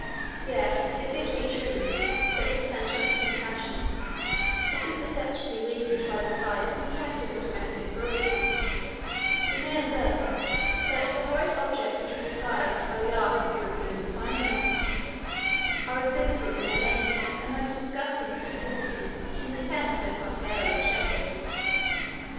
9 Yet, if it be true, that the sentiment of compassion is imperceptibly weakened by the sight and practice of domestic cruelty, we may observe, that the horrid objects which are disguised by the arts of European refinement, are exhibited in their naked and most disgusting simplicity in the tent of a Tartarian shepherd.